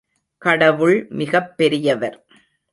கடவுள் மிகப் பெரியவர்.